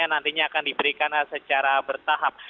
dan ini nantinya akan diberikan secara bertahap